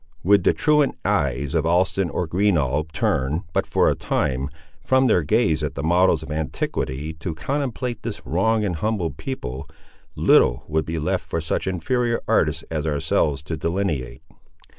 Would the truant eyes of Alston or Greenough turn, but for a time, from their gaze at the models of antiquity, to contemplate this wronged and humbled people, little would be left for such inferior artists as ourselves to delineate.